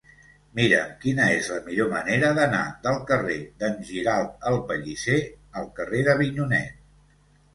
Mira'm quina és la millor manera d'anar del carrer d'en Giralt el Pellisser al carrer d'Avinyonet.